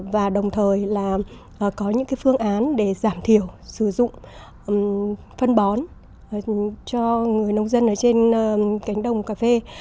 và đồng thời là có những phương án để giảm thiểu sử dụng phân bón cho người nông dân ở trên cánh đồng cà phê